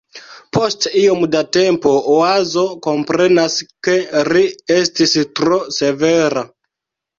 Post iom da tempo Oazo komprenas ke ri estis tro severa.